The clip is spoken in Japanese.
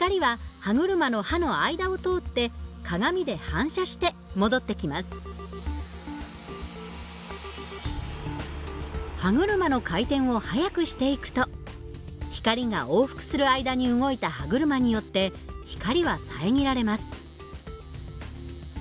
歯車の回転を速くしていくと光が往復する間に動いた歯車によって光は遮られます。